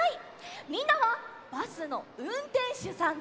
みんなはバスのうんてんしゅさんです。